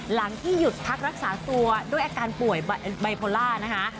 หลังที่หยุดพักรักษาตัวด้วยอาการป่วยไบโพล่านะคะ